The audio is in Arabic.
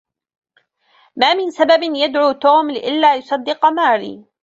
ما من سبب يدعو توم لئلا يصدق ماري.